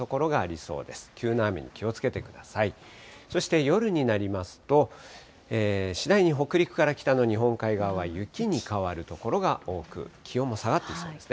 そして夜になりますと、次第に北陸から北の日本海側は雪に変わる所が多く、気温も下がっていきそうですね。